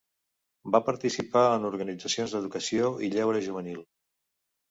Va participar en organitzacions d'educació i lleure juvenil.